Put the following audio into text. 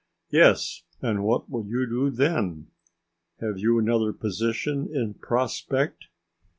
"Yes, and what will you do then? Have you another position in prospect?"